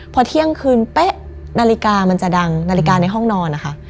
พอเที่ยงคืนเป๊ะนาฬิกามันจะดังนาฬิกาในห้องนอนนะคะ